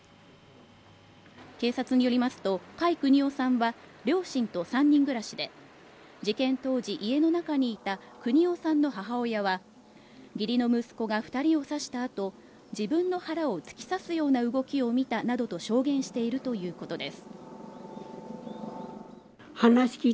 警察によりますと回邦夫さんは両親と３人暮らしで事件当時家の中にいた邦雄さんの母親は義理の息子が二人を刺したあと自分の腹を突き刺すような動きを見たなどと証言しているということです